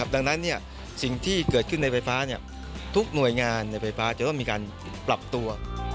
ดังนั้นสิ่งที่เกิดขึ้นในไฟฟ้าทุกหน่วยงานในไฟฟ้าจะต้องมีการปรับตัว